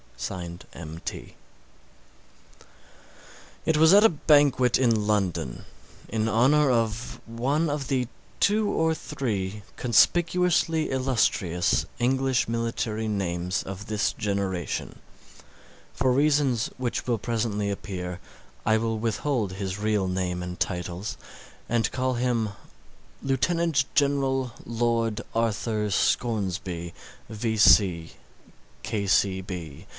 M.T.) It was at a banquet in London in honour of one of the two or three conspicuously illustrious English military names of this generation. For reasons which will presently appear, I will withhold his real name and titles, and call him Lieutenant General Lord Arthur Scoresby, V.